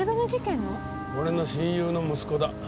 俺の親友の息子だ。